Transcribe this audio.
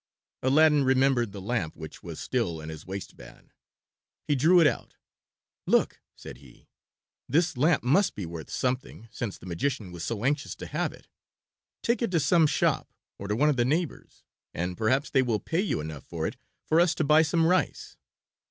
Aladdin remembered the lamp which was still in his waist band. He drew it out. "Look!" said he. "This lamp must be worth something since the magician was so anxious to have it. Take it to some shop, or to one of the neighbors, and perhaps they will pay you enough for it for us to buy some rice."